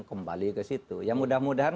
kembali ke situ ya mudah mudahan